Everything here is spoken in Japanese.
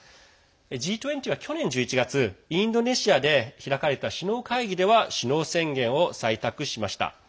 Ｇ２０は去年１１月インドネシアで開かれた首脳会議では首脳宣言を採択しました。